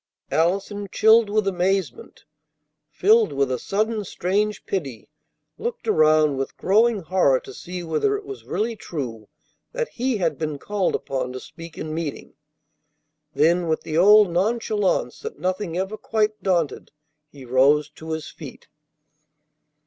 Allison, chilled with amazement, filled with a sudden strange pity, looked around with growing horror to see whether it was really true that he had been called upon to speak in meeting. Then with the old nonchalance that nothing ever quite daunted he rose to his feet.